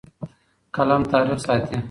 قلم تاریخ ساتي.